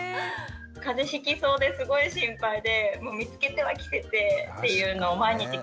風邪ひきそうですごい心配で見つけては着せてっていうのを毎日繰り返してました。